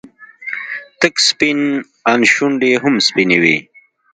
تک سپين ان شونډې يې هم سپينې وې.